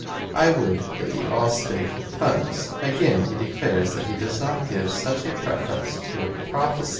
5. I would that ye all spake with tongues. Again he de clares that he does not give such a preference to prophecy, ' See p.